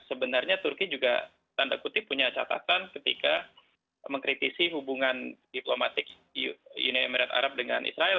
sebenarnya turki juga tanda kutip punya catatan ketika mengkritisi hubungan diplomatik uni emirat arab dengan israel